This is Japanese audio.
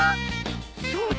そうだ！